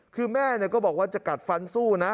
คือแม่ก็บอกว่าจะกัดฟันสู้นะ